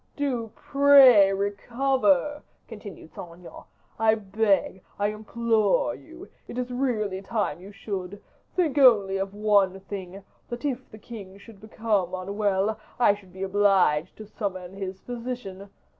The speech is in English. "Do pray recover," continued Saint Aignan. "I beg, I implore you; it is really time you should; think only of one thing, that if the king should become unwell, I should be obliged to summon his physician.